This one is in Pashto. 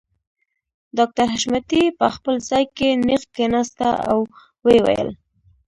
ډاکټر حشمتي په خپل ځای کې نېغ کښېناسته او ويې ويل